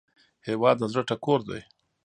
هیواد د زړه ټکور دی